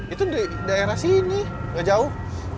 itu di daerah sini gak jauh